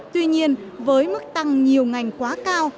tuy nhiên với mức tăng nhiều ngành quá cao